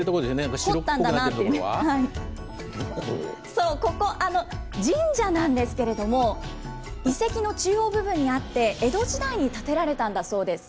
そう、ここ、神社なんですけれども、遺跡の中央部分にあって、江戸時代に建てられたんだそうです。